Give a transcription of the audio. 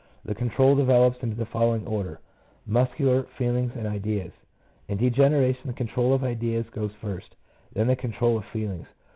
The control develops in the following order: — muscular, feelings, and ideas. In degeneration the control of ideas goes first, then the control of feelings.